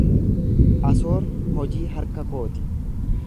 Asoor hojii harka kooti.